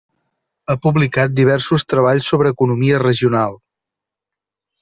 Ha publicat diversos treballs sobre economia regional.